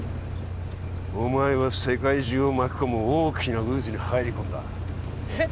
お前は世界中を巻き込む大きな渦に入り込んだえっ？